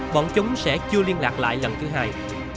bọn chúng sẽ chưa liên lạc lại lần thứ hai